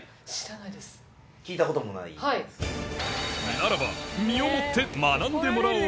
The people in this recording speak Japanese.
ならば身をもって学んでもらおう！